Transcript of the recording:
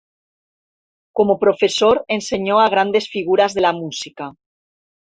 Como profesor, enseñó a grandes figuras de la música.